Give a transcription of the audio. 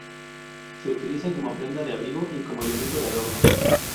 Se utiliza como prenda de abrigo y como elemento de adorno.